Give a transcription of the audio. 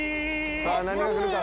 さあ何が来るか。